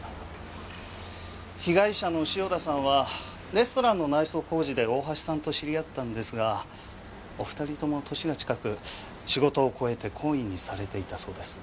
被害者の汐田さんはレストランの内装工事で大橋さんと知り合ったんですがお２人とも歳が近く仕事を超えて懇意にされていたそうです。